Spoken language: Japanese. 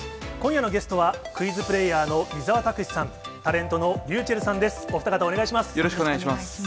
今夜のゲストは、クイズプレーヤーの伊沢拓司さん、タレントのｒｙｕｃｈｅｌｌさんです。